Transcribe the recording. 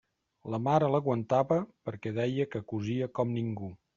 La mare l'aguantava perquè deia que cosia com ningú.